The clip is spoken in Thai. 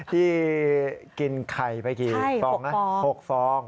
ที่กินไข่ไปกี่ฟองนะ๖ฟอง